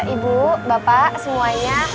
ibu bapak semuanya